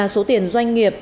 số tiền doanh nghiệp